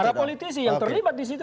para politisi yang terlibat di situ